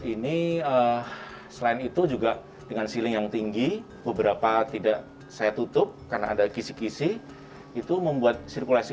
ini selain itu juga dengan seiling yang tinggi beberapa tidak saya tutup karena ada kisi kisi itu membuat sirkulasi